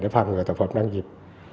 để phạm người tập hợp đáng dịp